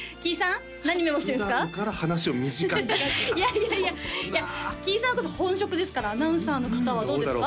いやいやいやキイさんこそ本職ですからアナウンサーの方はどうですか？